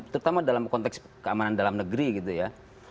terutama dalam konteks keamanan dalam negeri gitu ya